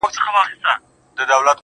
درته به وايي ستا د ښاريې سندري